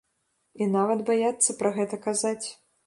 І нават баяцца пра гэта казаць.